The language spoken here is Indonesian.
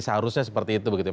seharusnya seperti itu begitu ya